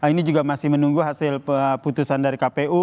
ini juga masih menunggu hasil putusan dari kpu